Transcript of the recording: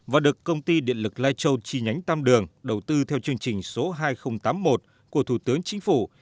và được công ty điện lực lai châu chi nhánh tam đường đầu tư theo chương trình số hai nghìn tám mươi một của thủ tướng chính phủ